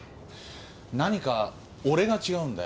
何か俺が違うんだよ。